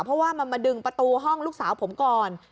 เพราะว่ามันมาดึงประตูห้องลูกสาวผมก่อน